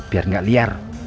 biar gak liar